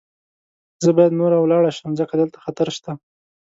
زه باید نوره ولاړه شم، ځکه دلته خطر شته.